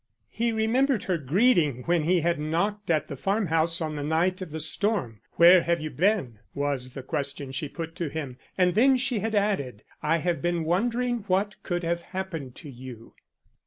He remembered her greeting when he had knocked at the farm house on the night of the storm. "Where have you been?" was the question she put to him, and then she had added, "I have been wondering what could have happened to you."